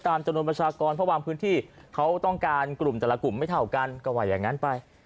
ตามจำนวนประชากรเพื่อวางพื้นที่เขาต้องการแปลกกลุ่มไม่เท่ากันก็ไหวแบบงั้นไป